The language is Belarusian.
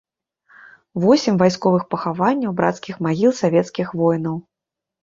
Восем вайсковых пахаванняў брацкіх магіл савецкіх воінаў.